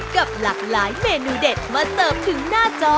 กับหลากหลายเมนูเด็ดมาเสิร์ฟถึงหน้าจอ